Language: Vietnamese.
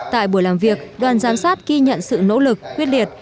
tại buổi làm việc đoàn giám sát ghi nhận sự nỗ lực quyết liệt